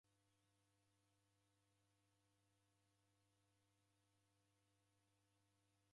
Omoni ni M'baa wa kala umangiagha mashomo na misarigho.